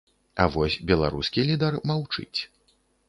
А вось беларускі лідар маўчыць.